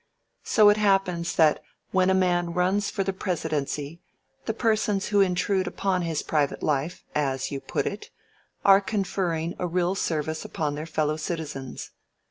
"So it happens that when a man runs for the Presidency the persons who intrude upon his private life, as you put it, are conferring a real service upon their fellow citizens.